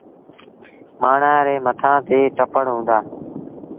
مآڻهآن ري مٿآن تي ٽپڙ هُݩدآ۔